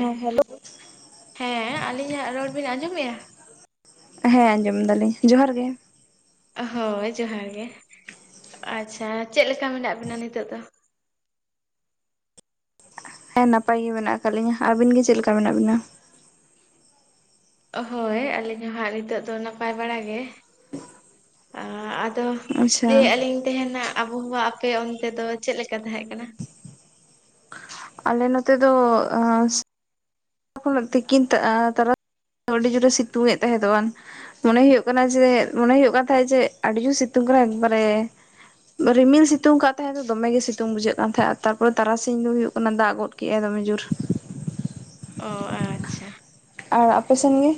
ᱦᱮᱸ ᱦᱮᱞᱳ ᱦᱮᱸ ᱟᱹᱞᱤᱧᱟᱜ ᱨᱚᱲ ᱵᱤᱱ ᱟᱸᱡᱚᱢᱮᱼᱟ? ᱦᱮᱸ ᱟᱸᱡᱚᱢ ᱫᱟᱞᱤᱧ ᱡᱚᱦᱟᱨ ᱜᱮ ᱾ ᱦᱳᱭ ᱡᱚᱦᱟᱨ ᱜᱮ, ᱟᱪᱪᱷᱟ ᱪᱮᱫ ᱞᱮᱠᱟ ᱢᱮᱱᱟᱜ ᱵᱤᱱᱟ ᱱᱤᱛᱚᱜ ᱫᱚ? ᱦᱮᱸ ᱱᱟᱯᱟᱭ ᱜᱮ ᱢᱮᱱᱟᱜ ᱟᱠᱟᱫ ᱞᱤᱧᱟ, ᱟᱵᱤᱱ ᱜᱮ ᱪᱮᱫ ᱠᱮᱠᱟ ᱢᱮᱱᱟᱜ ᱵᱤᱱᱟ? ᱦᱳᱭ ᱟᱞᱤᱧ ᱦᱚᱸ ᱦᱟᱸᱜ ᱱᱤᱛᱚᱜ ᱫᱚ ᱱᱟᱯᱟᱭ ᱵᱟᱲᱟ ᱜᱮ᱾ ᱟᱫᱚ ᱟᱪᱪᱷᱟ ᱞᱟᱹᱭᱮᱜᱼᱟ ᱞᱤᱧ ᱛᱮᱦᱮᱱᱟᱜ ᱟᱵᱚᱦᱟᱣᱟ ᱟᱯᱮ ᱚᱱᱛᱮ ᱫᱚ ᱪᱮᱫ ᱞᱮᱠᱟ ᱛᱟᱦᱮᱸ ᱠᱟᱱᱟ? ᱟᱞᱮ ᱱᱚᱛᱮ ᱫᱚ [unintelligible] ᱛᱤᱠᱤᱱ ᱛᱟᱨᱟ [unintelligible] ᱟᱹᱰᱤ ᱡᱳᱨᱮ ᱥᱤᱛᱩᱝ ᱮᱫ ᱛᱟᱦᱮᱸᱫ [unintelligible] ᱢᱚᱱᱮ ᱦᱩᱭᱩᱜ ᱠᱟᱱᱟ ᱡᱮ ᱢᱚᱱᱮ ᱦᱩᱭᱩᱜ ᱠᱟᱱ ᱛᱟᱦᱮᱸᱫ ᱡᱮ ᱟᱹᱰᱤ ᱡᱳᱨ ᱥᱤᱛᱩᱝ ᱠᱟᱱᱟ ᱮᱠᱵᱟᱨᱮ᱾ ᱨᱤᱢᱤᱞ ᱥᱤᱛᱩᱝ ᱠᱟᱜ ᱛᱟᱦᱮᱸ ᱫᱚ ᱫᱚᱢᱮᱜᱮ ᱜᱮ ᱥᱤᱛᱩᱝ ᱵᱩᱡᱷᱟᱹᱜ ᱠᱟᱱ ᱛᱟᱦᱮᱸᱜ ᱟᱨ ᱛᱟᱨᱯᱚᱨᱮ ᱛᱟᱨᱟᱥᱤᱧ ᱫᱚ ᱦᱩᱭᱩᱜ ᱠᱟᱱᱟ ᱫᱟᱜ ᱜᱚᱫ ᱠᱩᱜᱼᱟ ᱫᱚᱢᱮ ᱡᱳᱨ ᱾ ᱚ ᱮᱸ ᱟᱪᱪᱷᱟ᱾ ᱟᱨ ᱟᱯᱮ ᱥᱮᱱ ᱜᱮ?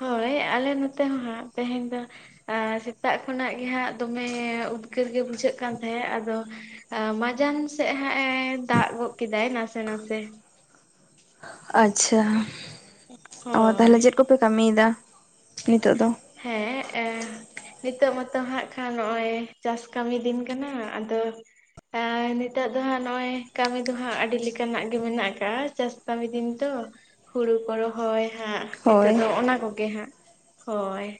ᱦᱳᱭ ᱟᱞᱮ ᱱᱚᱛᱮ ᱦᱚᱸ ᱦᱟᱸᱜ ᱛᱮᱦᱮᱧ ᱫᱚ ᱟᱨ ᱥᱮᱛᱟᱜ ᱠᱷᱚᱱᱟᱜ ᱜᱮ ᱦᱟᱸᱜ ᱫᱚᱢᱮ ᱩᱫᱽᱜᱟᱹᱨ ᱜᱮ ᱵᱩᱡᱷᱟᱹᱜ ᱠᱟᱱ ᱛᱟᱦᱮᱸᱫ ᱟᱫᱚ ᱟ ᱢᱟᱡᱟᱱ ᱥᱮᱫ ᱦᱟᱸᱜ ᱮ ᱫᱟᱜ ᱜᱚᱫ ᱠᱮᱫᱟᱭ ᱱᱟᱥᱮ ᱱᱟᱥᱮ ᱾ ᱟᱪᱪᱷᱟ, ᱚ ᱦᱳᱭ ᱛᱟᱦᱚᱞᱮ ᱪᱮᱫ ᱠᱚᱯᱮ ᱠᱟᱹᱢᱤᱭᱮᱫᱟ ᱱᱤᱛᱚᱜ ᱫᱚ? ᱦᱮᱸ [unintelligible] ᱱᱤᱛᱚᱜ ᱢᱟᱛᱚ ᱦᱟᱸᱜ ᱠᱷᱟᱱ ᱱᱚᱜᱼᱚᱭ ᱪᱟᱥ ᱠᱟᱹᱢᱤ ᱫᱤᱱ ᱠᱟᱱᱟ, ᱟᱫᱚ ᱟᱨ ᱱᱤᱛᱚᱜ ᱫᱚ ᱦᱟᱸᱜ ᱱᱚᱜᱼᱚᱭ ᱠᱟᱹᱢᱤ ᱫᱚᱦᱟᱸᱜ ᱟᱹᱰᱤ ᱞᱮᱠᱟᱱᱟᱜ ᱜᱮ ᱢᱮᱱᱟᱜ ᱟᱠᱟᱜᱼᱟ ᱪᱟᱥ ᱠᱟᱹᱢᱤ ᱫᱤᱱ ᱛᱚ᱾ ᱦᱩᱲᱩ ᱠᱚ ᱨᱚᱦᱚᱭ ᱦᱟᱸᱜ ᱱᱤᱛᱳᱜ ᱦᱳᱭ ᱫᱚ ᱚᱱᱟ ᱠᱚᱜᱮ ᱦᱟᱸᱜ᱾ ᱦᱳᱭ,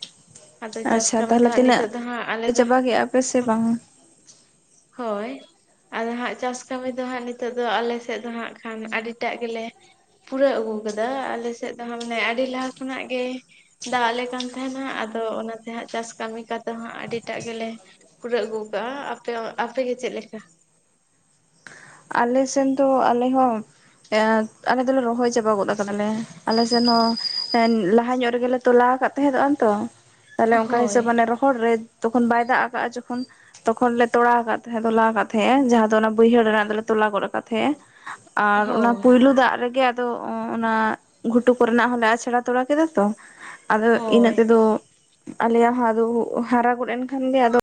ᱟᱫᱚ ᱪᱟᱥ ᱟᱪᱪᱷᱟ ᱠᱟᱹᱢᱤ ᱫᱚ ᱛᱟᱦᱚᱞᱮ ᱦᱟᱸᱜ ᱛᱤᱱᱟᱹᱜ ᱱᱤᱛᱚᱜ ᱦᱟᱸᱜ ᱟᱞᱮ ᱫᱚ ᱪᱟᱵᱟ ᱠᱮᱜᱼᱟ ᱯᱮ ᱥᱮ ᱵᱟᱝ? ᱦᱳᱭ᱾ ᱟᱫᱚ ᱦᱟᱸᱜ ᱪᱟᱥ ᱠᱟᱹᱢᱤ ᱫᱚ ᱦᱟᱸᱜ ᱱᱤᱛᱚᱜ ᱫᱚ ᱟᱞᱮ ᱥᱮᱫ ᱫᱚ ᱦᱟᱸᱜ ᱠᱷᱟᱱ ᱟᱹᱰᱤᱴᱟᱜ ᱜᱮᱞᱮ ᱯᱩᱨᱟᱹᱣ ᱟᱹᱜᱩ ᱟᱠᱟᱫᱟ ᱟᱞᱮ ᱥᱮᱫ ᱫᱚ ᱦᱟᱸᱜ ᱢᱟᱱᱮ ᱟᱹᱰᱤ ᱞᱟᱦᱟ ᱠᱷᱚᱱᱟᱜ ᱜᱮ ᱫᱟᱜ ᱟᱞᱮ ᱠᱟᱱ ᱛᱟᱦᱮᱱᱟ ᱟᱫᱚ ᱚᱱᱟᱛᱮ ᱦᱟᱸᱜ ᱪᱟᱥ ᱠᱟᱹᱢᱤ ᱠᱟᱫᱚ ᱦᱟᱸᱜ ᱟᱹᱰᱤᱴᱟᱜ ᱜᱮᱞᱮ ᱯᱩᱨᱟᱹᱣ ᱟᱹᱜᱩ ᱠᱟᱜ-ᱟ ᱟᱯᱮ ᱟᱯᱮ ᱜᱮ ᱪᱮᱫ ᱞᱮᱠᱟ? ᱟᱞᱮ ᱥᱮᱱ ᱫᱚ ᱟᱞᱮ ᱦᱚᱸ ᱮᱸᱫ ᱟᱞᱮ ᱫᱚᱞᱮ ᱨᱚᱦᱚᱭ ᱪᱟᱵᱟ ᱜᱚᱫ ᱠᱟᱫᱟᱞᱮ ᱟᱞᱮ ᱥᱮᱱ ᱦᱚᱸ ᱮ ᱞᱟᱦᱟ ᱧᱚᱜ ᱨᱮᱜᱮᱞᱮ ᱛᱚᱞᱟ ᱟᱠᱟᱫ ᱛᱟᱦᱮᱸ ᱫᱚᱜ ᱟᱱ ᱛᱚ ᱛᱟᱦᱞᱮ ᱚᱱᱠᱟ ᱦᱳᱭ ᱦᱤᱥᱟᱹᱵ ᱢᱟᱱᱮ ᱨᱚᱦᱚᱲ ᱨᱮ ᱛᱚᱠᱷᱚᱱ ᱵᱟᱭ ᱫᱟᱜ ᱟᱠᱟᱜᱼᱟ ᱡᱚᱠᱷᱚᱱ ᱛᱚᱠᱷᱚᱱ ᱞᱮ ᱛᱚᱲᱟ ᱠᱟᱜ ᱛᱟᱦᱮᱸ ᱛᱚᱞᱟ ᱟᱠᱟᱜ ᱛᱟᱦᱮᱸᱜᱼᱟ ᱡᱟᱦᱟᱸ ᱫᱚ ᱚᱱᱟ ᱵᱟᱹᱭᱦᱟᱹᱲ ᱨᱮᱱᱟᱜ ᱫᱚᱞᱮ ᱛᱚᱞᱟ ᱜᱚᱫ ᱟᱠᱟᱫ ᱛᱟᱦᱮᱸᱜᱼᱟ ᱟᱨ ᱚᱱᱟ ᱦᱳᱭ ᱯᱩᱭᱞᱩ ᱫᱟᱜ ᱨᱮᱜᱮ ᱟᱫᱚ ᱚᱱᱟ ᱜᱷᱩᱴᱩ ᱠᱚᱨᱮᱱᱟᱜ ᱦᱚᱸᱞᱮ ᱟᱪᱷᱲᱟ ᱛᱚᱲᱟ ᱠᱮᱫᱟ ᱛᱚ ᱟᱫᱚ ᱤᱱᱟᱹᱜ ᱦᱳᱭ ᱛᱮᱫᱚ ᱟᱞᱮᱭᱟᱜ ᱦᱚᱸ ᱟᱫᱚ ᱦᱟᱨᱟ ᱜᱚᱫ ᱮᱱ ᱠᱷᱟᱱ ᱜᱮ ᱟᱫᱚ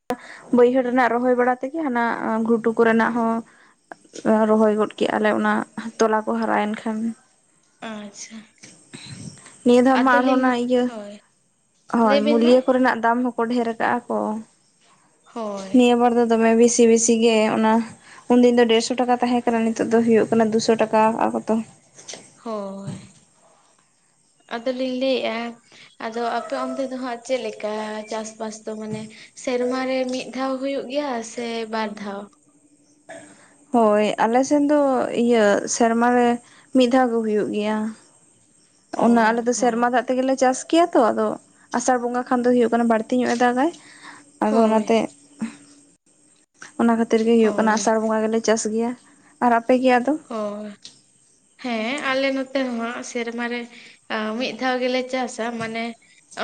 ᱵᱟᱹᱭᱦᱟᱹᱲ ᱨᱮᱱᱟᱜ ᱨᱚᱦᱚᱭ ᱵᱟᱲᱟ ᱛᱮᱜᱮ ᱦᱟᱱᱟ ᱜᱷᱩᱴᱩ ᱠᱚᱨᱮᱱᱟᱜ ᱦᱚᱸ ᱨᱚᱦᱚᱭ ᱜᱚᱫ ᱠᱮᱜ-ᱟ ᱞᱮ ᱚᱱᱟ ᱛᱚᱞᱟ ᱠᱚ ᱦᱟᱨᱟᱭᱮᱱ ᱠᱷᱟᱱ᱾ ᱟᱪᱪᱷᱟ᱾ ᱱᱤᱭᱟᱹ ᱫᱷᱟᱣ ᱢᱟ ᱟᱨᱦᱚᱸ ᱟᱫᱚᱞᱤᱧ ᱚᱱᱟ ᱤᱭᱟᱹ ᱦᱳᱭ ᱞᱟᱹᱭ ᱦᱳᱭ ᱵᱤᱱ ᱢᱟ ᱢᱩᱞᱭᱟᱹ ᱠᱚᱨᱮᱱᱟᱜ ᱫᱟᱢ ᱦᱚᱸ ᱠᱚ ᱰᱷᱮᱨ ᱠᱟᱜᱼᱟ ᱠᱚ ᱦᱳᱭ ᱱᱤᱭᱟᱹ ᱵᱟᱨ ᱫᱚ ᱫᱚᱢᱮ ᱵᱤᱥᱤ ᱵᱤᱥᱤ ᱜᱮ ᱚᱱᱟ ᱩᱱᱫᱤᱱ ᱫᱚ ᱰᱮᱲ ᱥᱚ ᱴᱟᱠᱟ ᱛᱟᱦᱮᱸ ᱠᱟᱱᱟ ᱱᱤᱛᱚᱜ ᱫᱚ ᱦᱩᱭᱩᱜ ᱠᱟᱱᱟ ᱫᱩᱥᱚ ᱴᱟᱠᱟ ᱠᱟᱜ-ᱟ ᱠᱚᱛᱚ᱾ ᱦᱳᱭ ᱟᱫᱚᱞᱤᱧ ᱞᱮᱭᱮᱜ-ᱟ ᱟᱫᱚ ᱟᱯᱮ ᱚᱱᱛᱮ ᱫᱚ ᱦᱟᱸᱜ ᱪᱮᱫ ᱞᱮᱠᱟ ᱪᱟᱥᱵᱟᱥ ᱫᱚ ᱢᱟᱱᱮ ᱥᱮᱨᱢᱟᱨᱮ ᱢᱤᱫ ᱫᱷᱟᱣ ᱦᱩᱭᱩᱜᱭ ᱜᱮᱭᱟ ᱥᱮ ᱵᱟᱨ ᱫᱷᱟᱣ? ᱦᱳᱭ ᱟᱞᱮᱥᱮᱱ ᱫᱚ ᱤᱭᱟᱹ ᱥᱮᱨᱢᱟᱨ ᱨᱮ ᱢᱤᱫ ᱫᱷᱟᱣ ᱜᱮ ᱦᱩᱭᱩᱜ ᱜᱮᱭᱟ᱾ ᱚ ᱚᱱᱟ ᱟᱞᱮ ᱫᱚ ᱦᱚᱸ ᱥᱮᱨᱢᱟ ᱫᱟᱜ ᱛᱮᱜᱮ ᱞᱮ ᱪᱟᱥ ᱜᱮᱭᱟ ᱛᱚ ᱟᱫᱚ ᱟᱥᱟᱲ ᱵᱚᱸᱜᱟ ᱠᱷᱟᱱ ᱫᱚ ᱦᱩᱭᱩᱜ ᱠᱟᱱᱟ ᱵᱟᱹᱲᱛᱤ ᱧᱚᱜ ᱮ ᱫᱟᱜᱟᱭ ᱟᱫᱚ ᱦᱳᱭ ᱚᱱᱟᱛᱮ ᱚᱱᱟ ᱠᱷᱟ ᱛᱤᱨ ᱜᱮ ᱦᱩᱭᱩᱜᱭ ᱠᱟᱱᱟ ᱦᱳᱭ ᱟᱥᱟᱲ ᱵᱚᱸᱜᱟ ᱜᱮᱞᱮ ᱪᱟᱥ ᱜᱮᱭᱟ, ᱟᱨ ᱟᱯᱮ ᱜᱮ ᱟᱫᱚ? ᱚ, ᱦᱮᱸ ᱟᱞᱮ ᱱᱚᱛᱮ ᱦᱚᱸ ᱥᱮᱨᱢᱟ ᱨᱮ ᱚ ᱢᱤᱫ ᱫᱷᱟᱣ ᱜᱮᱞᱮ ᱪᱟᱥᱟ ᱢᱟᱱᱮ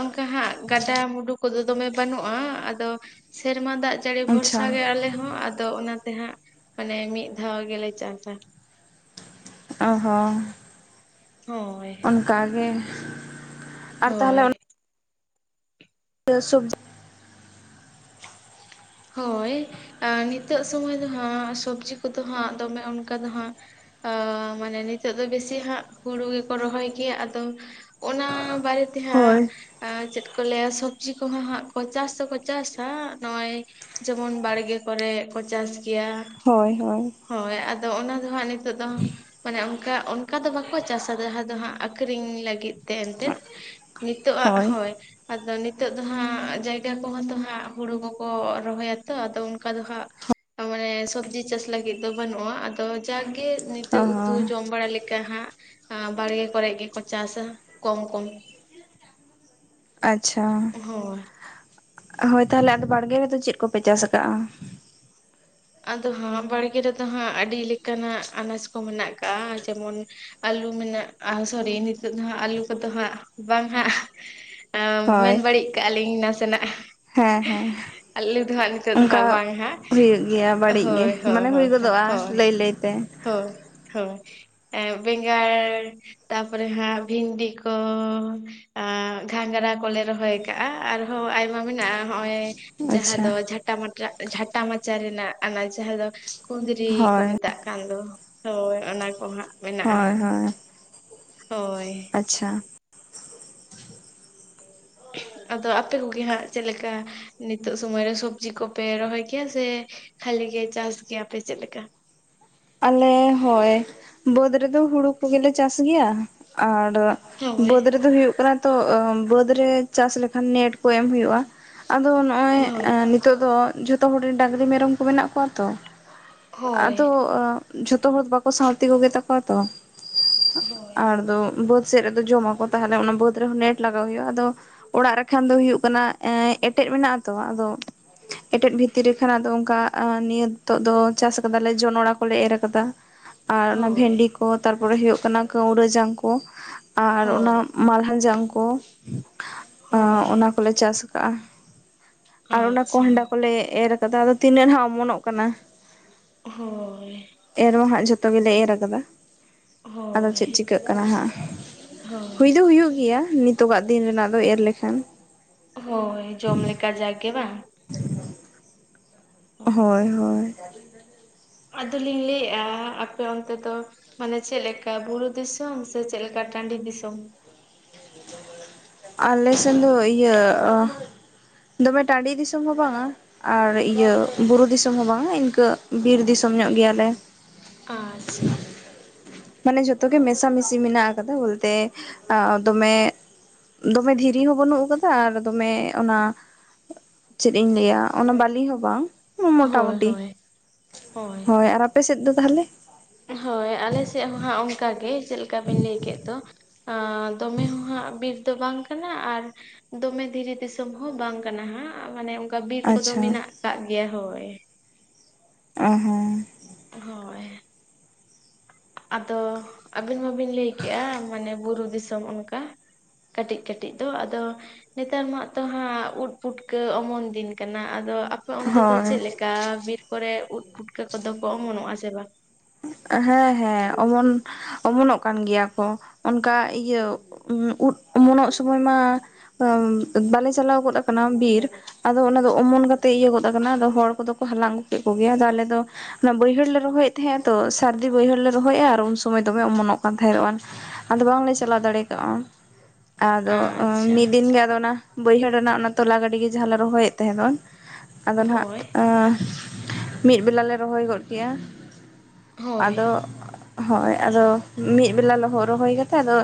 ᱚᱱᱠᱟ ᱦᱟᱸᱜ ᱜᱟᱰᱟ ᱢᱩᱰᱩ ᱠᱚᱫᱚ ᱫᱚᱢᱮ ᱵᱟᱹᱱᱩᱜᱼᱟ ᱟᱫᱚ ᱥᱮᱨᱢᱟ ᱫᱟᱜ ᱡᱟᱹᱲᱤ ᱵᱷᱚᱨᱥᱟ ᱟᱪᱪᱷᱟ ᱜᱮ ᱟᱞᱮ ᱦᱚᱸ ᱟ ᱛᱚ ᱚᱱᱟᱛᱮ ᱦᱟᱸᱜ ᱢᱟᱱᱮ ᱢᱤᱫ ᱫᱷᱟᱣ ᱜᱮᱞᱮ ᱪᱟᱥᱟ᱾ ᱚ ᱦᱚᱸ᱾ ᱦᱳᱭ᱾ ᱠᱟᱜᱮ ᱟᱨ ᱛᱟᱦᱚᱞᱮ ᱦᱳᱭ ᱚᱱᱟ [inaudible] ᱦᱳᱭ ᱱᱤᱛᱚᱜ ᱮᱸ ᱥᱚᱢᱚᱭ ᱫᱚ ᱦᱟᱸᱜ ᱥᱚᱵᱽᱡᱤ ᱠᱚᱫᱚ ᱦᱟᱸᱜ ᱫᱚᱢᱮ ᱚᱱᱠᱟ ᱫᱚ ᱦᱟᱸᱜ ᱟ ᱢᱟᱱᱮ ᱱᱤᱛᱚᱜ ᱫᱚ ᱵᱮᱥᱤ ᱦᱟᱸᱜ ᱦᱩᱲᱩ ᱜᱮᱠᱚ ᱨᱚᱦᱚᱭ ᱜᱮᱭᱟ ᱟᱫᱚ ᱚᱱᱟ ᱵᱟᱨᱮ ᱛᱮ ᱦᱟᱸᱜ ᱦᱳᱭ ᱮᱸ ᱪᱮᱫ ᱠᱚ ᱞᱟᱹᱭᱟ ᱥᱚᱵᱽᱡᱤ ᱠᱚᱦᱚᱸ ᱦᱟᱸᱜ ᱠᱚ ᱪᱟᱥ ᱫᱚᱠᱚ ᱪᱟᱥᱟ ᱱᱚᱸᱜᱼᱚᱭ ᱡᱮᱢᱚᱱ ᱵᱟᱲᱜᱮ ᱠᱚᱨᱮᱜ ᱠᱚ ᱪᱟᱥ ᱜᱮᱭᱟ᱾ ᱦᱳᱭ ᱦᱳᱭ᱾ ᱦᱳᱭ ᱟᱫᱚ ᱚᱱᱟ ᱫᱚ ᱦᱟᱸᱜ ᱱᱤᱛᱳᱜ ᱫᱚ ᱢᱟᱱᱮ ᱚᱱᱠᱟ ᱚᱱᱠᱟ ᱫᱚ ᱵᱟᱠᱚ ᱪᱟᱥᱟ ᱡᱟᱦᱟᱸ ᱫᱚ ᱦᱟᱸᱜ ᱟᱠᱷᱨᱤᱧ ᱞᱟᱹᱜᱤᱫ ᱛᱮ᱾ ᱱᱤᱛᱳᱜ ᱟᱜ ᱦᱳᱭ ᱟᱫᱚ ᱱᱤᱛᱳᱜ ᱫᱚ ᱦᱟᱸᱜ ᱡᱟᱭᱜᱟ ᱠᱚᱦᱚᱸ ᱛᱚ ᱦᱟᱸᱜ ᱦᱩᱲᱩ ᱠᱚᱠᱚ ᱨᱚᱦᱚᱭᱟᱛᱚ ᱟᱫᱚ ᱚᱱᱠᱟ ᱫᱚ ᱦᱟᱸᱜ ᱢᱟᱱᱮ ᱥᱚᱵᱽᱡᱤ ᱪᱟᱥ ᱞᱟᱹᱜᱤᱫ ᱫᱚ ᱵᱟᱹᱱᱩᱜᱼᱟ ᱟᱫᱚ ᱡᱟᱠᱜᱮ ᱚ ᱱᱤᱛᱚᱜ ᱩᱛᱩ ᱦᱚᱸ ᱡᱚᱢ ᱵᱟᱲᱟ ᱞᱮᱠᱟ ᱦᱟᱸᱜ ᱟᱸ ᱵᱟᱲᱜᱮ ᱠᱚᱨᱮᱜ ᱜᱮᱠᱚ ᱪᱟᱥᱟ ᱠᱚᱢ ᱠᱚᱢ ᱟᱪᱪᱷᱟ ᱦᱳᱭ ᱦᱳᱭ ᱛᱟᱦᱞᱮ ᱟᱫᱚ ᱵᱟᱲᱜᱮ ᱨᱮᱫᱚ ᱪᱮᱫ ᱠᱚᱯᱮ ᱪᱟᱥ ᱠᱟᱜᱼᱟ? ᱟᱫᱚ ᱦᱟᱸᱜ ᱵᱟᱲᱜᱮ ᱨᱮᱫᱚ ᱦᱟᱸᱜ ᱟᱹᱰᱤ ᱞᱮᱠᱟᱱᱟᱜ ᱟᱱᱟᱡ ᱠᱚ ᱢᱮᱱᱟᱜ ᱟᱠᱟᱜ-ᱟ ᱡᱮᱢᱚᱱ ᱟᱞᱩ ᱢᱮᱱᱟᱜ ᱟ ᱥᱚᱨᱤ ᱱᱤᱛᱳᱜ ᱫᱚ ᱦᱟᱸᱜ ᱟᱹᱞᱩ ᱠᱚᱫᱚ ᱦᱟᱸᱜ ᱵᱟᱝ ᱦᱟᱸᱜ ᱦᱳᱭ ᱢᱮᱱ ᱵᱟᱹᱲᱤᱡ ᱠᱟᱜᱼᱟ ᱞᱤᱧ ᱱᱟᱥᱮᱱᱟᱜ ᱦᱮᱸ ᱦᱮᱸ ᱟᱞᱮ ᱫᱚ ᱦᱟᱸᱜ ᱱᱤᱛᱚᱜ ᱫᱚ ᱚᱱᱠᱟ ᱦᱟᱸᱜ ᱵᱟᱝ ᱦᱟᱸᱜ ᱦᱩᱭᱩᱜ ᱜᱮᱭᱟ ᱵᱟᱲᱤᱡ ᱜᱮ ᱦᱳᱭ ᱦᱳᱭ ᱢᱟᱱᱮ ᱦᱩᱭ ᱦᱳᱭ ᱜᱚᱫᱚᱜᱼᱟ ᱦᱳᱭ ᱞᱟᱹᱭ ᱞᱟᱹᱭᱛᱮ ᱦᱳᱭ ᱦᱳᱭ ᱮᱸᱻ ᱵᱮᱸᱜᱟᱲ ᱛᱟᱯᱚᱨᱮ ᱦᱟᱸᱜ ᱵᱷᱤᱱᱰᱤ ᱠᱚ ᱟ ᱜᱷᱟᱜᱽᱨᱟ ᱠᱚᱞᱮ ᱨᱚᱦᱚᱭ ᱠᱟᱜᱼᱟ ᱟᱨᱦᱚᱸ ᱟᱭᱢᱟ ᱢᱮᱱᱟᱜᱼᱟ ᱦᱚᱜᱼᱚᱭ ᱡᱟᱦᱟᱸ ᱟᱪᱪᱷᱟ ᱫᱚ ᱡᱷᱟᱴᱟ ᱢᱟᱴᱟ ᱡᱷᱟᱴᱟ ᱢᱟᱪᱟ ᱨᱮᱱᱟᱜ ᱟᱱᱟᱪ ᱡᱟᱦᱟᱸ ᱫᱚ ᱠᱩᱸᱫᱽᱨᱤ ᱠᱚ ᱦᱳᱭ ᱢᱮᱛᱟᱜ ᱠᱟᱱ ᱫᱚ ᱦᱳᱭ ᱚᱱᱟ ᱠᱚ ᱦᱟᱸᱜ ᱢᱮᱱᱟᱜᱼᱟ ᱦᱳᱭ ᱦᱳᱭ ᱦᱳᱭ ᱟᱪᱪᱷᱟ ᱟᱫᱚ ᱟᱯᱮ ᱠᱚᱜᱮ ᱦᱟᱸᱜ ᱪᱮᱫ ᱞᱮᱠᱟ ᱱᱤᱛᱚᱜ ᱥᱚᱢᱚᱭ ᱨᱮ ᱥᱚᱵᱡᱤ ᱠᱚᱯᱮ ᱨᱚᱦᱚᱭ ᱠᱮᱭᱟ ᱥᱮ ᱠᱷᱟᱹᱞᱤ ᱜᱮ ᱪᱟᱥ ᱜᱮᱭᱟᱯᱮ ᱪᱮᱫ ᱞᱮᱠᱟ ᱟᱞᱮ ᱦᱳᱭ ᱵᱟᱹᱫᱽ ᱨᱮᱫᱚ ᱦᱩᱲᱩ ᱠᱚᱜᱮᱞᱮ ᱪᱟᱥ ᱜᱮᱭᱟ ᱟᱨ ᱦᱳᱭ ᱵᱟᱹᱫᱽ ᱨᱮᱫᱚ ᱦᱩᱭᱩᱜ ᱠᱟᱱᱟ ᱛᱚ ᱵᱟᱹᱫᱽ ᱨᱮ ᱪᱟᱥ ᱞᱮᱠᱷᱟᱱ ᱱᱮᱴ ᱠᱚ ᱮᱢ ᱦᱩᱭᱩᱜᱼᱟ᱾ ᱟᱫᱚ ᱱᱚᱜᱼᱚᱭ ᱦᱳᱭ ᱱᱤᱛᱚᱜ ᱫᱚ ᱡᱷᱚᱛᱚ ᱦᱚᱲ ᱰᱟᱝᱨᱤ ᱢᱮᱨᱚᱢ ᱠᱚ ᱢᱮᱱᱟᱜ ᱠᱚᱣᱟ ᱛᱚ᱾ ᱦᱳᱭ ᱟᱫᱚ ᱡᱷᱚᱛᱚ ᱦᱚᱲ ᱵᱟᱠᱚ ᱥᱟᱶᱛᱮ ᱠᱚᱜᱮ ᱛᱟᱠᱚᱣᱟ ᱛᱚ ᱦᱳᱭ ᱟᱫᱚ ᱵᱟᱹᱫᱽ ᱥᱮᱜ ᱨᱮᱫᱚ ᱡᱚᱢᱟ ᱠᱚ ᱛᱟᱦᱞᱮ ᱚᱱᱟ ᱵᱟᱹᱫᱽ ᱨᱮᱦᱚᱸ ᱱᱮᱴ ᱞᱟᱜᱟᱣ ᱦᱩᱭᱩᱜᱼᱟ ᱟᱫᱚ ᱚᱲᱟᱜ ᱨᱮᱠᱷᱟᱱ ᱫᱚ ᱦᱩᱭᱩᱜ ᱠᱟᱱᱟ ᱮᱴᱮᱫ ᱢᱮᱱᱟᱜ ᱟᱛᱚ ᱟᱫᱚ ᱮᱴᱮᱫ ᱵᱷᱤᱛᱨᱤ ᱨᱮ ᱠᱷᱟᱱ ᱟᱫᱚ ᱚᱱᱠᱟ ᱱᱤᱭᱟᱹ ᱱᱤᱛᱚᱜ ᱫᱚ ᱪᱟᱥ ᱟᱠᱟᱫᱟᱞᱮ ᱡᱚᱱᱚᱲᱟ ᱠᱚᱞᱮ ᱮᱨ ᱠᱟᱫᱟ ᱟᱨ ᱚᱱᱟ ᱦᱳᱭ ᱵᱷᱮᱱᱰᱤ ᱠᱚ ᱛᱟᱨᱯᱚᱨᱮ ᱦᱩᱭᱩᱜ ᱠᱟᱱᱟ ᱠᱟᱹᱣᱨᱟᱹ ᱡᱟᱝ ᱠᱚ ᱟᱨ ᱚᱱᱟ ᱦᱳᱭ ᱢᱟᱞᱦᱟᱱ ᱡᱟᱝ ᱠᱚ ᱦᱳᱭ ᱚᱱᱟ ᱠᱚᱞᱮ ᱪᱟᱥ ᱟᱠᱟᱜ-ᱟ ᱟᱨ ᱚᱱᱟ ᱠᱚᱦᱰᱟ ᱟᱪᱪᱷᱟ ᱠᱚᱞᱮ ᱮᱨ ᱠᱟᱛᱷᱟ ᱟᱫᱚ ᱛᱤᱱᱟᱹᱜ ᱱᱟᱦᱟᱜ ᱚᱢᱚᱱᱚᱜ ᱠᱟᱱᱟ᱾ ᱦᱳᱭ ᱮᱨ ᱦᱚᱸ ᱦᱟᱸᱜ ᱡᱷᱚᱛᱚ ᱜᱮᱞᱮ ᱮᱨ ᱟᱠᱟᱫᱟ ᱟᱫᱚ ᱪᱮᱫ ᱦᱳᱭ ᱪᱤᱠᱟᱹᱜ ᱠᱟᱱᱟ ᱦᱟᱸᱜ ᱦᱩᱭ ᱦᱳᱭ ᱫᱚ ᱦᱩᱭᱩᱜ ᱜᱮᱭᱟ ᱱᱤᱛ ᱱᱤᱛᱚᱜᱟᱜ ᱫᱤᱱ ᱨᱮᱱᱟᱜ ᱫᱚ ᱮᱨ ᱞᱮᱠᱷᱟᱱ ᱦᱳᱭ ᱡᱚᱢ ᱞᱮᱠᱟ ᱡᱟᱜᱮ ᱵᱟᱝ ᱦᱳᱭ ᱦᱳᱭ ᱟᱫᱚᱞᱤᱧ ᱞᱟᱹᱭ ᱮᱭᱟ ᱟᱯᱮ ᱚᱱᱛᱮ ᱫᱚ ᱢᱟᱱᱮ ᱪᱮᱫ ᱞᱮᱠᱟ ᱵᱩᱨᱩ ᱫᱤᱥᱚᱢ ᱥᱮ ᱪᱮᱫ ᱞᱮᱠᱟ ᱴᱟᱺᱰᱤ ᱫᱤᱥᱚᱢ? ᱟᱞᱮ ᱥᱮᱫ ᱫᱚ ᱤᱭᱟᱹ ᱫᱚᱢᱮ ᱴᱟᱺᱰᱤ ᱫᱤᱥᱚᱢ ᱦᱚᱸ ᱵᱟᱝᱟ ᱟᱨ ᱤᱭᱟᱹ ᱵᱩᱨᱩ ᱫᱤᱥᱚᱢ ᱦᱚᱸ ᱵᱟᱝᱟ ᱤᱱᱠᱟᱹ ᱵᱤᱨ ᱫᱤᱥᱚᱢ ᱧᱚᱜ ᱜᱮᱭᱟᱞᱮ᱾ ᱟᱪᱪᱷᱟ ᱢᱟᱱᱮ ᱡᱷᱚᱛᱚ ᱜᱮ ᱢᱮᱥᱟᱢᱤᱥᱤ ᱢᱮᱱᱟᱜ ᱟᱠᱟᱫᱟ ᱵᱚᱞᱛᱮ ᱫᱚᱢᱮ ᱫᱚᱢᱮ ᱫᱷᱤᱨᱤ ᱦᱚᱸ ᱵᱟᱹᱱᱩᱜ ᱟᱠᱟᱫᱟ ᱟᱨ ᱫᱚᱢᱮ ᱚᱱᱟ ᱪᱮᱫ ᱤᱧ ᱞᱟᱹᱭᱟ ᱚᱱᱟ ᱵᱟᱞᱤ ᱦᱚᱸ ᱵᱟᱝ ᱢᱚᱴᱟ ᱦᱳᱭ ᱢᱩᱴᱤ ᱦᱳᱭ ᱦᱳᱭ ᱟᱨ ᱟᱯᱮ ᱥᱮᱫ ᱫᱚ ᱛᱟᱦᱚᱞᱮ ᱦᱳᱭ ᱟᱞᱮᱥᱮᱜ ᱦᱚᱸ ᱦᱟᱸᱜ ᱚᱝᱠᱟ ᱜᱮ ᱪᱮᱜ ᱞᱮᱠᱟ ᱵᱤᱱ ᱞᱟᱹᱭ ᱠᱮᱫ ᱫᱚ᱾ ᱟᱸ ᱫᱚᱢᱮ ᱦᱚᱸ ᱦᱟᱸᱜ ᱵᱤᱨ ᱫᱚ ᱵᱟᱝ᱾ ᱠᱟᱱᱟ ᱟᱨ ᱫᱚᱢᱮ ᱫᱷᱤᱨᱤ ᱫᱤᱥᱚᱢ ᱦᱚᱸ ᱵᱟᱝ ᱠᱟᱱᱟ ᱦᱟᱸᱜ ᱢᱟᱱᱮ ᱚᱝᱠᱟ ᱵᱤᱨ ᱠᱚᱫᱚ ᱟᱪᱪᱷᱟ ᱢᱮᱱᱟᱜ᱾ ᱠᱟᱜ ᱜᱮᱭᱟ ᱦᱳᱭ᱾ ᱚ ᱦᱚᱸ᱾ ᱦᱳᱭ᱾ ᱟᱫᱚ ᱟᱵᱤᱱ ᱢᱟᱵᱤᱱ ᱞᱟᱹᱭᱠᱮᱜ-ᱟ ᱢᱟᱱᱮ ᱵᱩᱨᱩ ᱫᱤᱥᱚᱢ ᱚᱱᱠᱟ᱾ ᱠᱟᱹᱴᱤᱜ ᱠᱟᱹᱴᱤᱜ ᱫᱚ ᱟᱫᱚ᱾ ᱱᱮᱛᱟᱨ ᱢᱟᱜ ᱛᱚ ᱦᱟᱸᱜ ᱩᱫ ᱯᱩᱴᱠᱟᱹ ᱚᱢᱚᱱ ᱫᱤᱱ ᱠᱟᱱᱟ ᱟᱫᱚ ᱟ ᱫᱚ ᱚᱱᱛᱮ ᱫᱚ ᱦᱳᱭ ᱪᱮᱜ ᱞᱮᱠᱟ ᱵᱤᱨ ᱠᱚᱨᱮ ᱩᱫ ᱯᱩᱴᱠᱟᱹ ᱠᱚᱫᱚ ᱠᱚ ᱚᱢᱚᱱᱚᱜ-ᱟ ᱥᱮ ᱵᱟᱝ᱾ ᱦᱮᱸ ᱦᱮᱸ ᱚᱢᱚᱱ᱾ ᱚᱢᱚᱱᱚᱜ ᱠᱟᱱ ᱜᱮᱭᱟ ᱠᱚ ᱚᱱᱠᱟ ᱤᱭᱟᱹ ᱩᱫ ᱚᱢᱚᱱᱚᱜ ᱥᱚᱢᱚᱭ ᱢᱟ᱾ ᱵᱟᱞᱮ ᱪᱟᱞᱟᱣ ᱜᱚᱫ ᱠᱟᱱᱟ ᱵᱤᱨ᱾ ᱟᱫᱚ ᱚᱱᱟ ᱫᱚ ᱚᱢᱚᱱ ᱠᱟᱛᱮ ᱤᱭᱟᱹ ᱜᱚᱫ ᱠᱟᱱᱟ ᱟᱫᱚ ᱦᱚᱲ ᱠᱚᱫᱚ ᱠᱚ ᱦᱟᱞᱟᱝ ᱟᱜᱩ ᱠᱮᱜ ᱠᱚᱜᱮᱭᱟ ᱟᱫᱚ ᱟᱞᱮ ᱫᱚ᱾ ᱚᱱᱟ ᱵᱟᱹᱭᱦᱟᱹᱲ ᱞᱮ ᱨᱚᱦᱚᱭᱮᱜ ᱛᱟᱸᱦᱮᱜ-ᱟ ᱛᱚ ᱥᱟᱨᱫᱤ ᱵᱟᱹᱭᱦᱟᱹᱲ ᱞᱮ ᱨᱚᱦᱚᱭᱮᱜ-ᱟ ᱟᱨ ᱩᱱ ᱥᱚᱢᱚᱭ ᱫᱚᱢᱮ ᱚᱢᱚᱱᱚᱜ ᱠᱟᱱ ᱛᱟᱦᱮᱸᱜ᱾ [unintelligible] ᱟᱫᱚ ᱵᱟᱝᱞᱮ ᱪᱟᱞᱟᱣ ᱫᱟᱲᱮ ᱠᱟᱣ-ᱟ᱾ ᱟᱫᱚ ᱟᱪᱪᱷᱟ ᱢᱤᱜ ᱫᱤᱱ ᱜᱮ ᱟᱫᱚ ᱚᱱᱟ ᱵᱟᱹᱭᱦᱟᱹᱲ ᱨᱮᱱᱟᱜ ᱚᱱᱟ ᱛᱚᱞᱟ ᱜᱟᱰᱤᱜᱮ ᱡᱟᱸᱦᱟ ᱞᱮ ᱨᱚᱦᱚᱭᱮᱜ ᱛᱟᱸᱦᱮᱫᱚ᱾ ᱟᱫᱚ ᱱᱷᱟᱜ ᱦᱳᱭ ᱟᱸ ᱢᱤᱫ ᱵᱮᱞᱟ ᱞᱮ ᱨᱚᱦᱚᱭ ᱜᱚᱫ ᱠᱮᱜ-ᱟ᱾ ᱦᱳᱭ ᱟᱫᱚ ᱦᱚᱭ ᱟᱫᱚ ᱢᱤᱜ ᱵᱮᱞᱟ ᱞᱚᱦᱚᱜ ᱨᱚᱦᱚᱭ ᱠᱟᱛᱮᱜ ᱟᱫᱚ᱾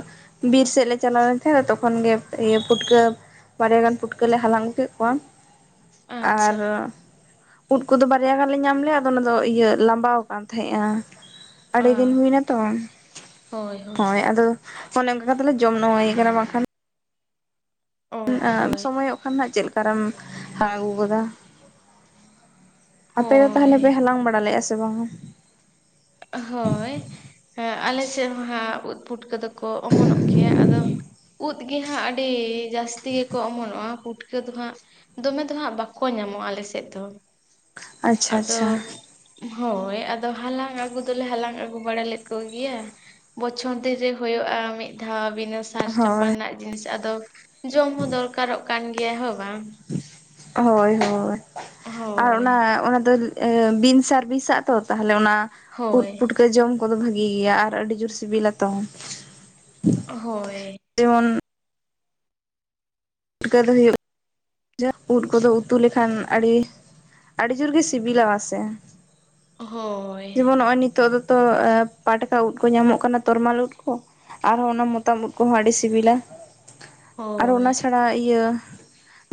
ᱵᱤᱨ ᱥᱮᱜ ᱞᱮ ᱪᱟᱞᱟᱣ ᱞᱮᱱ ᱛᱟᱦᱮ ᱛᱚᱠᱷᱚᱱ ᱜᱮ ᱤᱭᱟᱹ ᱯᱩᱴᱠᱟᱹ᱾ ᱵᱟᱨᱭᱟ ᱜᱟᱱ ᱯᱩᱴᱠᱟᱹ ᱞᱮ ᱦᱟᱞᱟᱝ ᱟᱜᱩ ᱠᱮᱜ ᱠᱚᱣᱟ᱾ ᱟᱪᱪᱷᱟ ᱟᱨ ᱩᱫ ᱠᱚᱫᱚ ᱵᱟᱨᱭᱟ ᱜᱟᱱ ᱞᱮ ᱧᱟᱢ ᱞᱮᱜ-ᱟ ᱟᱫᱚ ᱚᱱᱟ ᱫᱚ ᱤᱭᱟᱹ ᱞᱟᱸᱵᱟᱣ᱾ ᱛᱟᱦᱮᱸᱜ-ᱟ ᱟ ᱟᱰᱤ ᱫᱤᱱ ᱦᱩᱭ ᱱᱟ ᱛᱚ ᱦᱳᱭ ᱟᱫᱚ᱾ ᱚᱱᱮ ᱚᱝᱠᱟ ᱠᱟᱛᱮ ᱞᱮ ᱡᱚᱢ ᱱᱟᱹᱣᱟᱹᱭ ᱠᱟᱱᱟ ᱵᱟᱝᱠᱷᱟᱱ᱾ ᱚ ᱦᱳᱭ ᱥᱳᱢᱚᱭᱚᱜ ᱠᱷᱟᱱ ᱱᱷᱟᱜ ᱪᱮᱜ ᱞᱮᱠᱟᱨᱮᱢ ᱦᱟᱞᱟᱝ ᱟᱜᱩ ᱜᱚᱫᱟ᱾ ᱟᱯᱮ ᱫᱚ ᱛᱟᱦᱞᱮ ᱦᱳᱭ ᱯᱮ ᱦᱟᱞᱟᱝ ᱵᱟᱲᱟ ᱞᱮᱜ-ᱟ ᱥᱮ ᱵᱟᱝᱟ? ᱦᱳᱭ ᱦᱮᱸ ᱟᱞᱮ ᱥᱮᱜ ᱦᱚᱸ ᱦᱟᱸᱜ ᱩᱫ ᱯᱩᱴᱟᱹ ᱫᱚ᱾ ᱠᱚ ᱚᱢᱚᱱᱚᱜ ᱜᱮᱭᱟ ᱟᱫᱚ ᱩᱫ᱾ ᱜᱤ ᱦᱟᱸᱜ ᱟᱰᱤ ᱡᱟᱥᱛᱤ ᱜᱮᱠᱚ ᱚᱢᱚᱱᱚᱜ-ᱟ ᱯᱩᱴᱠᱟᱹ ᱫᱚ ᱦᱟᱸᱜ᱾ ᱫᱚᱢᱮ ᱫᱚ ᱦᱟᱸᱜ ᱵᱟᱠᱚ ᱧᱟᱢᱚᱜ-ᱟ ᱟᱞᱮ ᱥᱮᱜ ᱫᱚ᱾ ᱟᱪᱪᱷᱟ ᱟᱫᱚ ᱟᱪᱪᱷᱟ ᱦᱳᱭ ᱟᱫᱚ ᱦᱟᱞᱟᱝ ᱟ ᱜᱩ ᱫᱚᱞᱮ ᱦᱟᱞᱟᱝ ᱟᱜᱩ ᱵᱟᱲᱟ ᱞᱮᱫ ᱠᱚᱜᱮᱭᱟ ᱵᱚᱪᱷᱚᱨ ᱫᱤᱱ ᱨᱮ ᱦᱳᱭᱳᱜ-ᱟ ᱢᱤᱫ ᱫᱷᱟᱣ ᱵᱤᱱᱟᱹ ᱥ ᱥᱟᱨ ᱦᱳᱭ ᱪᱟᱯᱟᱱᱟᱜ ᱡᱤᱱᱤᱥ ᱟᱫᱚ ᱡᱚᱢ ᱦᱚᱸ ᱫᱚᱨᱠᱟᱨᱚᱜ ᱠᱟᱱ ᱜᱮᱭᱟ ᱦᱳᱭ ᱵᱟᱝ᱾ ᱦᱚᱭ ᱦᱳᱭ ᱟᱨ ᱦᱳᱭ ᱚᱱᱟ ᱚᱱᱟ ᱫᱚ᱾ ᱵᱤᱱ ᱥᱟᱨ ᱵᱤᱥᱟᱜ ᱛᱚ ᱛᱟᱦᱞᱮ ᱚᱱᱟ ᱩᱫ ᱦᱳᱭ ᱯᱩᱴ ᱠᱟᱹ ᱡᱚᱢ ᱠᱚᱫᱚ ᱵᱷᱟᱜᱤ ᱜᱮᱭᱟ ᱟᱨ ᱟᱹᱰᱤ ᱡᱳᱨ ᱥᱤᱵᱤᱞᱟ ᱛᱚ᱾ ᱦᱳᱭ᱾ ᱡᱮᱢᱚᱱ᱾ ᱪᱤᱠᱟᱹ ᱫᱚ ᱦᱩᱭᱩᱜ᱾ ᱡᱟ ᱩᱫ ᱠᱚᱫᱚ ᱩᱛᱩ ᱞᱮᱠᱷᱟᱱ ᱟᱰᱤ ᱟᱰᱤ ᱡᱳᱨ ᱜᱮ ᱥᱤᱵᱤᱞᱚᱜ-ᱟ ᱥᱮ᱾ ᱦᱳᱭ ᱡᱮᱢᱚᱱ ᱱᱚᱸᱜᱚᱭ ᱱᱤᱛᱳᱜ ᱫᱚᱛᱚ ᱯᱟᱴᱠᱟ ᱩᱫ ᱠᱚ ᱧᱟᱢᱚᱜ ᱠᱟᱱᱟ ᱛᱚᱨᱢᱟᱞ ᱩᱫ ᱠᱚ᱾ ᱟᱨᱦᱚᱸ ᱚᱱᱟ ᱢᱚᱛᱟᱢ ᱩᱫ ᱠᱚᱦᱚᱸ ᱟᱰᱤ ᱥᱤᱵᱤᱞᱟ ᱟᱨ ᱚᱱᱟ ᱦᱳᱭ ᱪᱷᱟᱲᱟ ᱤᱭᱟᱹ᱾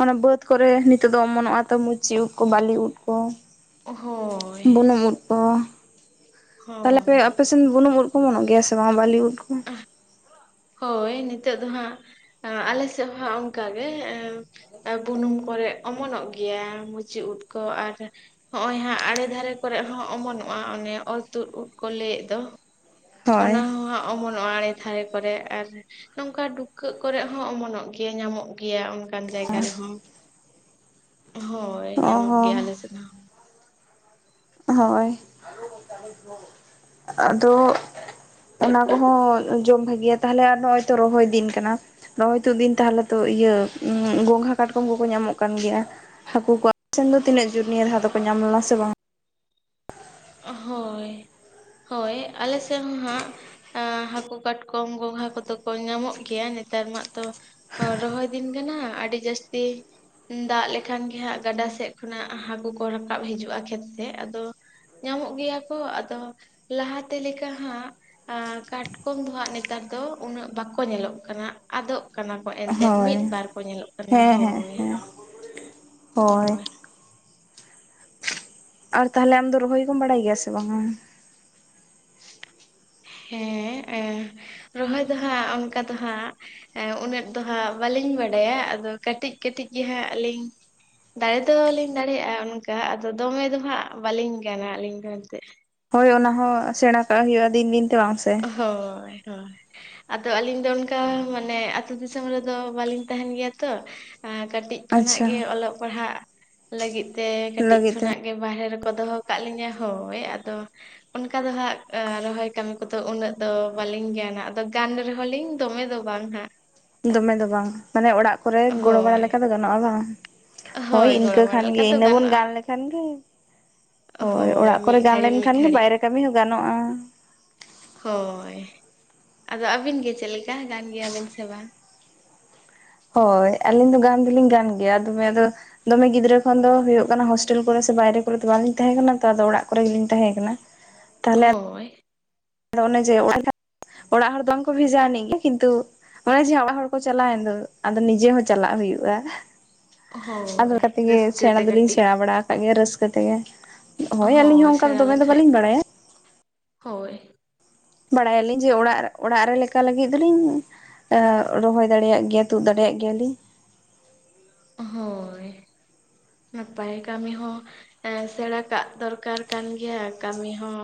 ᱚᱱᱮ ᱵᱟᱹᱫᱽ ᱠᱚᱨᱮ ᱱᱤᱛᱚᱜ ᱫᱚ ᱚᱢᱚᱱᱚᱜ-ᱟ ᱛᱚ ᱢᱩᱪᱤ ᱩᱫ ᱠᱚ ᱵᱟᱞᱤ ᱩᱫ ᱠᱚ᱾ ᱦᱳᱭ ᱵᱩᱱᱩᱢ ᱩᱫ ᱠᱚ᱾ ᱛᱟᱦᱞᱮ ᱯᱮ ᱦᱳᱭ ᱟᱯᱮᱥᱮᱱ ᱵᱩᱱᱩᱢ ᱩᱫ ᱠᱚ ᱚᱢᱚᱱᱚᱜ ᱜᱮᱭᱟ ᱥᱮ ᱵᱟᱝ ᱵᱟᱞᱤ ᱩᱫ ᱠᱚ? ᱦᱳᱭ ᱱᱤᱛᱳᱜ ᱫᱚ ᱦᱟᱸᱜ ᱟᱸ ᱟᱞᱮ ᱥᱮᱫ ᱦᱚᱸ ᱦᱟᱸᱜ ᱚᱱᱠᱟ ᱜᱮ ᱮᱸ ᱮ ᱵᱩᱱᱩᱢ ᱠᱚᱨᱮ ᱚᱢᱚᱱᱚᱜ ᱜᱮᱭᱟ ᱢᱩᱪᱤ ᱩᱫᱽ ᱠᱚ ᱟᱨ ᱦᱚᱜᱼᱚᱭ ᱦᱟᱸᱜ ᱟᱲᱮ ᱫᱷᱟᱨᱮ ᱠᱚᱨᱮᱫ ᱦᱚᱸ ᱚᱢᱚᱱᱚᱜᱼᱟ ᱚᱱᱮ ᱚᱨ ᱛᱩᱫ ᱠᱚ ᱞᱟᱹᱭᱮᱫ ᱫᱚ᱾ ᱦᱳᱭ᱾ ᱚᱢᱚᱱᱚᱜ-ᱟ ᱟᱲᱮ ᱫᱷᱟᱨᱮ ᱠᱚᱨᱮ ᱟᱨ ᱱᱚᱝᱠᱟ ᱰᱩᱠᱟᱹᱜ ᱠᱚᱨᱮᱜ ᱦᱚᱸ ᱚᱢᱚᱱᱚᱜ ᱜᱮᱭᱲ ᱧᱟᱢᱚᱜ ᱜᱮᱭᱟ ᱚᱱ ᱚᱱᱠᱟᱱ ᱡᱟᱭᱜᱟ ᱨᱮᱦᱚᱸ᱾ ᱦᱳᱭ ᱚ ᱧᱟᱢᱚᱜ ᱦᱚᱸ ᱜᱮᱭᱟ ᱟᱞᱮ ᱥᱮᱮᱫ ᱦᱚᱸ᱾ ᱦᱳᱭ ᱟᱫᱚ ᱚᱱᱟ ᱠᱚᱦᱚᱸ ᱡᱚᱢ ᱵᱷᱟᱜᱤᱭᱟ ᱛᱟᱦᱚᱞᱮ ᱟᱨ ᱱᱚᱜ-ᱚᱭ ᱛᱚ ᱨᱚᱦᱚᱭ ᱫᱤᱱ ᱠᱟᱱᱟ᱾ ᱨᱚᱦᱚᱭ ᱛᱩᱫ ᱫᱤᱱ ᱛᱟᱦᱚᱞᱮ ᱛᱚ ᱤᱭᱟᱹ ᱜᱚᱝᱜᱷᱟ ᱠᱟᱴᱠᱚᱢ ᱠᱚᱠᱚ ᱧᱟᱢᱚᱜ ᱠᱟᱱ ᱜᱮᱭᱟ᱾ ᱦᱟᱹᱠᱩ ᱠᱚ ᱥᱮᱱ ᱫᱚ ᱛᱤᱱᱟᱹᱜ ᱡᱩᱨ ᱱᱤᱭᱟᱹ ᱫᱷᱟᱣ ᱫᱚᱠᱚ ᱧᱟᱢ ᱞᱮᱱᱟ ᱥᱮ ᱵᱟᱝ? ᱦᱳᱭ, ᱦᱳᱭ ᱟᱞᱮ ᱥᱮᱫ ᱦᱚᱸ ᱦᱟᱸᱜ ᱟ ᱦᱟᱹᱠᱩ ᱠᱟᱴᱠᱚᱢ ᱜᱚᱝᱜᱷᱟ ᱠᱚᱫᱚ ᱠᱚ ᱧᱟᱢᱚᱜ ᱜᱮᱭᱟ ᱱᱮᱛᱟᱨ ᱢᱟᱜ ᱛᱚ ᱚ ᱨᱚᱦᱚᱭ ᱫᱤᱱ ᱠᱟᱱᱟ ᱟᱹᱰᱤ ᱡᱟᱹᱥᱛᱤ ᱩᱸ ᱫᱟᱜ ᱞᱮᱠᱷᱟᱱ ᱜᱮ ᱦᱟᱸᱜ ᱜᱟᱰᱟ ᱥᱮᱫ ᱠᱷᱚᱱᱟᱜ ᱦᱟᱹᱠᱩ ᱠᱚ ᱨᱟᱠᱟᱵ ᱦᱤᱡᱩᱜᱼᱟ ᱠᱷᱮᱛ ᱥᱮᱫ ᱟᱫᱚ ᱧᱟᱢᱚᱜ ᱜᱮᱭᱟ ᱠᱚ᱾ ᱟᱫᱚ ᱞᱟᱦᱟᱛᱮ ᱞᱮᱠᱟ ᱦᱟᱸᱜ ᱟ ᱠᱟᱴᱠᱚᱢ ᱫᱚ ᱦᱟᱸᱜ ᱱᱮᱛᱟᱨ ᱫᱚ ᱩᱱᱟᱹᱜ ᱵᱟᱠᱚ ᱧᱮᱞᱚᱜ ᱠᱟᱱᱟ᱾ ᱟᱫᱚᱜ ᱠᱟᱱᱟ ᱠᱚ ᱮᱱᱛᱮᱫ ᱦᱳᱭ ᱢᱤᱫ ᱵᱟᱨ ᱠᱚ ᱧᱮᱞᱚᱜ ᱠᱟᱱᱟ᱾ ᱦᱮᱸ ᱦᱮᱸ ᱦᱳᱭ᱾ ᱦᱮᱸ ᱦᱳᱭ᱾ ᱟᱨ ᱛᱟᱦᱚᱞᱮ ᱟᱢ ᱫᱚ ᱨᱚᱦᱚᱭ ᱠᱚᱢ ᱵᱟᱰᱟᱭ ᱜᱮᱭᱟ ᱥᱮ ᱵᱟᱝᱟ? ᱦᱮᱸ ᱮᱸ ᱨᱚᱦᱚᱭ ᱫᱚ ᱦᱟᱸᱜ ᱚᱱᱠᱟ ᱫᱚ ᱦᱟᱸᱜ ᱮ ᱩᱱᱟᱹᱜ ᱫᱚ ᱦᱟᱸᱜ ᱵᱟᱹᱞᱤᱧ ᱵᱟᱲᱟᱭᱟ ᱟᱫᱚ ᱠᱟᱹᱴᱤᱡ ᱠᱟᱹᱴᱤᱡ ᱜᱮᱦᱟᱸᱜ ᱟᱹᱞᱤᱧ ᱫᱟᱲᱮ ᱫᱚᱞᱤᱧ ᱫᱟᱲᱮᱭᱟᱜ-ᱟ ᱚᱱᱠᱟ ᱟᱫᱚ ᱫᱚᱢᱮ ᱫᱚᱦᱟᱸᱜ ᱵᱟᱹᱞᱤᱧ ᱜᱟᱱᱟ ᱟᱹᱞᱤᱧ ᱫᱚ ᱮᱱᱛᱮᱫ᱾ ᱦᱳᱭ ᱦᱚᱸ ᱥᱮᱸᱬᱟ ᱠᱟᱜ ᱦᱩᱭᱩᱜ-ᱟ ᱫᱤᱱ ᱫᱤᱱᱛᱮ ᱵᱟᱝ ᱥᱮ᱾ ᱦᱳᱭ ᱦᱳᱭ᱾ ᱟᱫᱚ ᱟᱞᱤᱧ ᱫᱚ ᱚᱱᱠᱟ ᱢᱟᱱᱮ ᱟᱛᱩ ᱫᱤᱥᱚᱢ ᱨᱮᱫᱚ ᱵᱟᱹᱞᱤᱧ ᱛᱟᱦᱮᱱ ᱜᱮᱭᱟ ᱛᱚ᱾ ᱟ ᱠᱟᱹᱴᱤᱡ ᱠᱷᱚᱱᱟᱜ ᱟᱪᱪᱷᱟ ᱜᱮ ᱚᱞᱚᱜ ᱯᱟᱲᱦᱟᱜ ᱞᱟᱹᱜᱤᱫ ᱛᱮ ᱠᱟᱹᱴᱤᱡ ᱞᱟᱹᱜᱤᱫ ᱛᱮ ᱠᱷᱚᱱᱟᱜ ᱜᱮ ᱵᱟᱨᱦᱮ ᱨᱮᱠᱚ ᱫᱚᱦᱚ ᱠᱟᱜ ᱞᱤᱧᱟᱹ ᱦᱳᱭ ᱟᱫᱚ ᱚᱱᱠᱟ ᱫᱚ ᱦᱟᱸᱜ ᱨᱚᱦᱚᱭ ᱠᱟᱹᱢᱤ ᱠᱚᱫᱚ ᱩᱱᱟᱹᱜ ᱫᱚ ᱵᱟᱞᱤᱧ ᱜᱟᱱᱟ, ᱟᱫᱚ ᱜᱟᱱ ᱨᱮᱦᱚᱸ ᱞᱤᱧ ᱫᱚᱢᱮ ᱫᱚ ᱵᱟᱝ ᱦᱟᱸᱜ᱾ ᱫᱚᱢᱮ ᱫᱚ ᱵᱟᱝ ᱢᱟᱱᱮ ᱚᱲᱟᱜ ᱠᱚᱨᱮᱫ ᱜᱚᱲᱚ ᱵᱟᱲᱟ ᱦᱳᱭ ᱞᱮᱠᱟ ᱫᱚ ᱜᱟᱱᱚᱜ-ᱟ ᱵᱟᱝ᱾ ᱦᱳᱭ ᱤᱱᱠᱟᱹ ᱜᱚᱲᱚ ᱵᱟᱲᱟ ᱠᱷᱟᱱᱜᱮ ᱞᱮᱠᱟ ᱫᱚ ᱤᱱᱟᱹ ᱵᱚᱱ ᱜᱟᱱᱚᱜᱼᱟ ᱜᱟᱱ ᱞᱮᱠᱷᱟᱱ ᱜᱮ ᱦᱳᱭ ᱚᱲᱟᱜ ᱠᱚᱨᱮ ᱢᱤᱫ ᱜᱟᱱ ᱜᱷᱟᱹᱲᱤᱡ ᱢᱤᱫ ᱞᱮᱱᱠᱷᱟᱱ ᱜᱮ ᱜᱷᱟᱹᱲᱤᱡ ᱵᱟᱭᱨᱮ ᱠᱟᱹᱢᱤ ᱦᱚᱸ ᱜᱟᱱᱚᱜ-ᱟ᱾ ᱦᱳᱭ ᱟᱫᱚ ᱟᱹᱵᱤᱱ ᱜᱮ ᱪᱮᱫ ᱞᱮᱠᱟ ᱜᱟᱱ ᱜᱮᱭᱟᱵᱤᱱ ᱥᱮ ᱵᱟᱝ? ᱦᱳᱭ ᱟᱹᱞᱤᱧ ᱫᱚ ᱜᱟᱱ ᱫᱚᱞᱤᱧ ᱜᱟᱱ ᱜᱮᱭᱟ ᱟᱨ ᱛᱚᱵᱮ ᱟᱫᱚ ᱫᱚᱢᱮ ᱜᱤᱫᱽᱨᱟᱹ ᱠᱷᱚᱱ ᱫᱚ ᱦᱩᱭᱩᱜᱜ ᱠᱟᱱᱟ ᱦᱳᱥᱴᱮᱞ ᱠᱚᱨᱮ ᱥᱮ ᱵᱟᱭᱨᱮ ᱠᱚᱨᱮ ᱫᱚ ᱵᱟᱞᱤᱧ ᱛᱟᱦᱮᱸ ᱠᱟᱱᱟ ᱛᱚ ᱟᱫᱚ ᱚᱲᱟᱜ ᱠᱚᱨᱮ ᱜᱮᱞᱤᱧ ᱛᱟᱦᱮᱸ ᱠᱟᱱᱟ᱾ ᱛᱟᱦᱚᱞᱮ ᱦᱳᱭ᱾ ᱟᱫᱚ ᱚᱱᱮ ᱡᱮ [unintelligible] ᱚᱲᱟᱜ ᱦᱚᱲ ᱫᱚ ᱵᱟᱝ ᱠᱚ ᱵᱷᱮᱡᱟ ᱟᱹᱱᱤᱡ ᱜᱮ ᱠᱤᱱᱛᱩ ᱚᱱᱮ ᱡᱮ ᱦᱟᱸᱜ ᱚᱲᱟᱜ ᱦᱚᱲ ᱠᱚ ᱪᱟᱞᱟᱣᱮᱱ ᱫᱚ, ᱟᱫᱚ ᱱᱤᱡᱮ ᱦᱚᱸ ᱪᱟᱞᱟᱜ ᱦᱩᱭᱩᱜᱼᱟ᱾ ᱟᱫᱚ ᱦᱳᱭ ᱚᱱᱠᱟ ᱛᱮᱜᱮ ᱨᱟᱹᱥᱠᱟᱹ ᱥᱮᱬᱟ ᱛᱮ ᱫᱚᱞᱤᱧ ᱠᱟᱹᱴᱤᱡ ᱥᱮᱬᱟ ᱵᱟᱲᱟ ᱟᱠᱟᱜ ᱜᱮᱭᱟ ᱨᱟᱹᱥᱠᱟᱹ ᱛᱮᱜᱮ᱾ ᱦᱳᱭ ᱟᱹᱞᱤᱧ ᱦᱚᱸ ᱚᱱᱠᱟ ᱥᱮᱬᱟ ᱫᱚᱢᱮ ᱫᱚ ᱞᱮᱠᱷᱟᱡ ᱵᱟᱟᱹᱞᱤᱧ ᱵᱟᱲᱟᱭᱟ᱾ ᱦᱳᱭ᱾ ᱵᱟᱲᱟᱭᱟᱞᱤᱧ ᱡᱮ ᱚᱲᱟᱜ ᱚᱲᱟᱜ ᱨᱮ ᱞᱮᱠᱟ ᱞᱟᱹᱜᱤᱫ ᱫᱚᱞᱤᱧ ᱮ ᱨᱚᱦᱚᱭ ᱫᱟᱲᱮᱭᱟᱜ ᱜᱮᱭᱟ, ᱛᱩᱫ ᱫᱟᱲᱮᱭᱟᱜ ᱜᱮᱭᱟᱞᱤᱧ᱾ ᱦᱳᱭ ᱱᱟᱯᱟᱭ ᱠᱟᱢᱤ ᱦᱚᱸ ᱮᱸ ᱥᱮᱬᱟ ᱠᱟᱜ ᱫᱚᱨᱠᱟᱨ ᱠᱟᱱ ᱜᱮᱭᱟ᱾ ᱠᱟᱹᱢᱤ ᱦᱚᱸ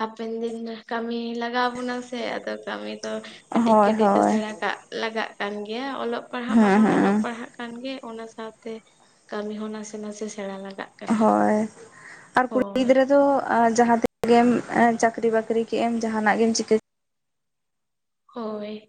ᱦᱟᱯᱮᱱ ᱫᱤᱱ ᱨᱮ ᱠᱟᱹᱢᱤ ᱞᱟᱜᱟᱣᱟᱵᱚᱱᱟ ᱥᱮ ᱟᱫᱚ ᱠᱟᱹᱢᱤ ᱛᱚ ᱠᱟᱹᱴᱤᱡ ᱦᱳᱭ ᱠᱟᱹᱴᱤᱡ ᱫᱚ ᱦᱳᱭ ᱥᱮᱬᱟ ᱠᱟᱜ ᱞᱟᱜᱟᱜ ᱠᱟᱱ ᱜᱮᱭᱟ, ᱚᱞᱚᱜ ᱯᱟᱲᱦᱟᱜ ᱦᱮᱸ ᱢᱟᱵᱚᱱ ᱚᱞᱚᱜ ᱦᱮᱸ ᱯᱟᱲᱦᱟᱜ ᱠᱟᱱ ᱜᱮ, ᱚᱱᱟ ᱥᱟᱶᱛᱮ ᱠᱟᱹᱢᱤ ᱦᱚᱸ ᱱᱟᱥᱮ ᱱᱟᱥᱮ ᱥᱮᱬᱟ ᱞᱟᱜᱟᱜ? ᱠᱟᱱᱟ ᱦᱳᱭ ᱟᱨ ᱠᱩᱲᱤ ᱦᱳᱭ ᱜᱤᱫᱽᱨᱟᱹ ᱫᱚᱻᱜ ᱟᱸ ᱡᱟᱦᱟᱸ ᱛᱤᱱᱟᱹᱜ ᱜᱮᱢ ᱮᱸ ᱪᱟᱹᱠᱨᱤ ᱵᱟᱹᱠᱨᱤ ᱠᱮᱜ ᱮᱢ ᱡᱟᱦᱟᱸᱱᱟᱜ ᱜᱮᱢ ᱪᱤᱠᱟᱹ ᱦᱳᱭ᱾